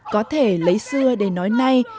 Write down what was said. có thể lấy xưa để nói nay